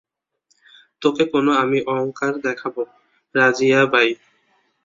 তোকে কেনো আমি অংকার দেখাবো, রাজিয়াবাই?